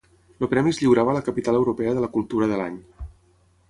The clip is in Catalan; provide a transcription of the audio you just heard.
El premi es lliurava a la Capital Europea de la Cultura de l'any.